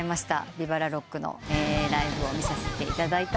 ＶＩＶＡＬＡＲＯＣＫのライブを見させていただいた。